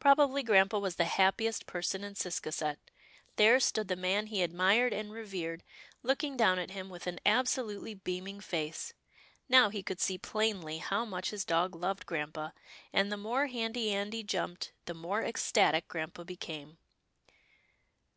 Probably grampa was the happiest person in Cis casset. There stood the man he admired and re vered, looking down at him with an absolutely beaming face. Now he could see plainly how much 270 'TILDA JANE'S ORPHANS his dog loved grampa, and the more Handy Andy jumped, the more ecstatic grampa became.